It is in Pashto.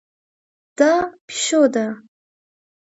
دا پیشو ده